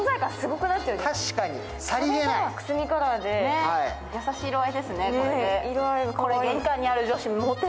くすみカラーで優しい色合いですね。